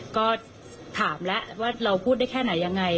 ก็ถามแล้วว่าเราพูดได้แค่ไหนยังไง